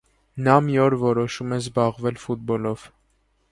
Նա մի օր որոշում է զբաղվել ֆուտբոլով։